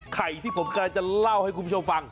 ที่ผมกำลังจะเล่าให้คุณผู้ชมฟัง